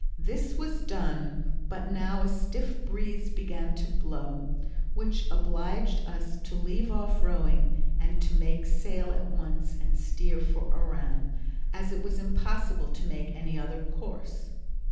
This was done, but now a stiff breeze began to blow, which obliged us to leave off rowing and make sail at once and steer for Oran, as it was impossible to make any other course.